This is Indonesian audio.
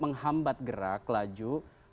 menghambat gerak laju